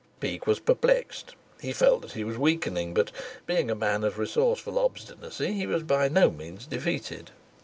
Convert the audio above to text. Peake was perplexed, he felt that he was weakening; but, being a man of resourceful obstinacy, he was by no means defeated.